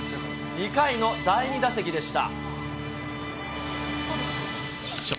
２回の第２打席でした。